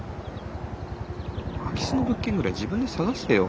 空き巣の物件ぐらい自分で探せよ。